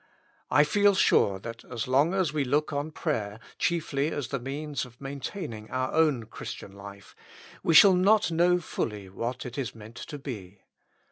I feel sure that as long as we look on prayer chiefly as the means of maintaining our own Christian life, we shall not know fully what it is meant to be.